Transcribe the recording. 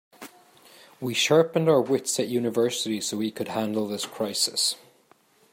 We sharpened our wits at university so we could handle this crisis.